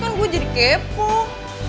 kan gue jadi kepuk